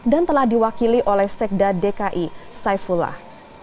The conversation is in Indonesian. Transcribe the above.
dan telah diwakili oleh sekda dki saifullah